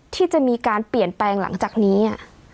ที่จะมีการเปลี่ยนแปลงหลังจากนี้